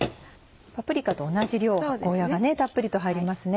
パプリカと同じ量ゴーヤがたっぷりと入りますね。